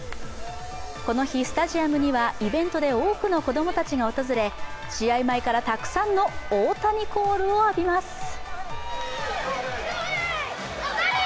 この日、スタジアムにはイベントで多くの子供たちが訪れ試合前からたくさんのオオタニコールを浴びます。